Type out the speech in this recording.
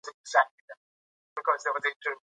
ما د مېلمستیا لپاره نوي کالي واغوستل.